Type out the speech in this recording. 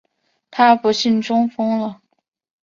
她不幸中风了